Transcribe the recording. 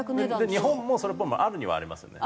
日本もそれっぽいものあるにはありますよね。